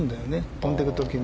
飛んでいく時に。